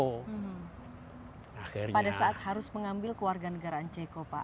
pada saat harus mengambil kewarga negara ceko pak